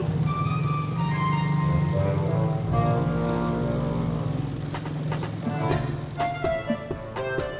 mbak masih lama ya